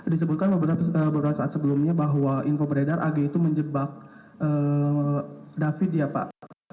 disebutkan beberapa saat sebelumnya bahwa info beredar ag itu menjebak david ya pak